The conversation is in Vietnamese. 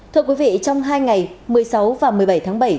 thưa quý vị trong hai ngày một mươi sáu và một mươi bảy tháng bảy